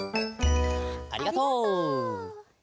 ありがとう。